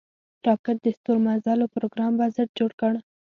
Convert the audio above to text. راکټ د ستورمزلو پروګرام بنسټ جوړ کړ